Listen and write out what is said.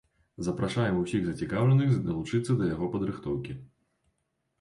Запрашаем усіх зацікаўленых далучыцца яго да падрыхтоўкі.